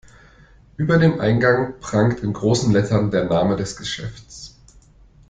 Über dem Eingang prangt in großen Lettern der Name des Geschäfts.